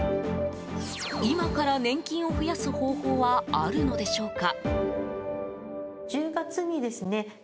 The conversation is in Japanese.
今から年金を増やす方法はあるのでしょうか。